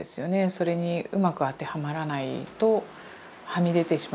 それにうまく当てはまらないとはみ出てしまう。